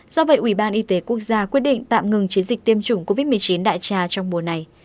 do vậy ủy ban y tế quốc gia quyết định tạm ngừng chiến dịch tiêm chủng covid một mươi chín đại trà trong mùa này